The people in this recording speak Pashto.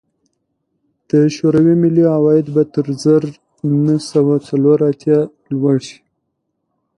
د شوروي ملي عواید به تر زر نه سوه څلور اتیا لوړ شي